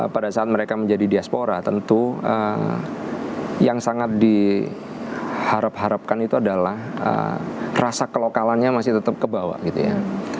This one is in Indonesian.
pada saat mereka menjadi diaspora tentu yang sangat diharapkan harapkan itu adalah rasa kelokalannya masih tetap kebawa gitu ya